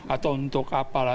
atau untuk apalah